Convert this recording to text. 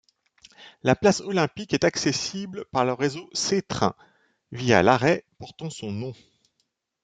La place Olympique est accessible par le réseau C-Train, via l'arrêt portant son nom.